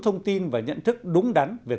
thông tin và nhận thức đúng đắn về